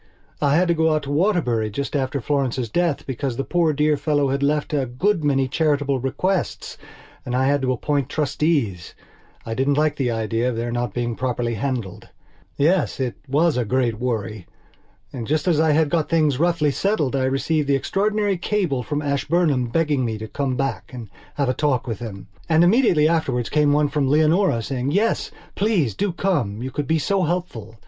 I had to go out to Waterbury just after Florence's death because the poor dear old fellow had left a good many charitable bequests and I had to appoint trustees. I didn't like the idea of their not being properly handled. Yes, it was a great worry. And just as I had got things roughly settled I received the extraordinary cable from Ashburnham begging me to come back and have a talk with him. And immediately afterwards came one from Leonora saying, "Yes, please do come. You could be so helpful."